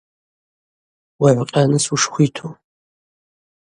Уагӏвкъьарныс ушхвиту.